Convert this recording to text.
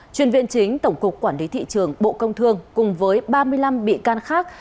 chuyên viên chính tổng cục quản lý thị trường bộ công thương cùng với ba mươi năm bị can khác